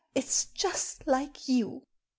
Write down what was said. It's just like you !